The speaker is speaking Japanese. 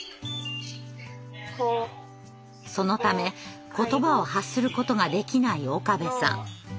そのため言葉を発することができない岡部さん。